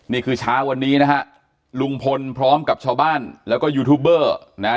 นี่คือเช้าวันนี้นะฮะลุงพลพร้อมกับชาวบ้านแล้วก็ยูทูบเบอร์นะฮะ